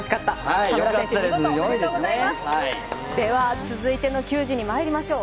では、続いての球児にまいりましょう。